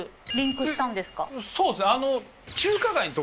そうですね。